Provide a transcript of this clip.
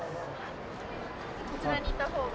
こちらにいた方が。